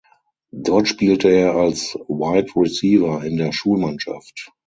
Dort spielte er als Wide Receiver in der Schulmannschaft.